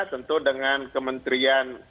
tentu dengan kementerian